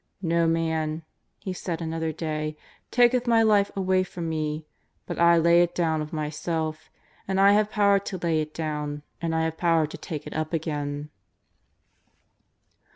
" E"o man," He said another day, " taketh My life away from Me, but I lay it down of Myself, and I have power to lay it down, and I have power to take it up again."